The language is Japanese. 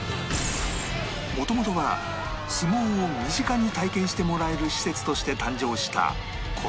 もともとは相撲を身近に体験してもらえる施設として誕生したこのお店